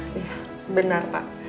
iya benar pak